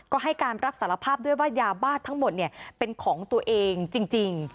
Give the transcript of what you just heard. ก็ให้การรับสารภาพด้วยว่ายาบ้าทั้งหมดเป็นของตัวเองจริง